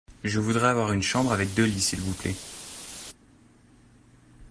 Je voudrais avoir une chambre avec deux lits s'il vous plait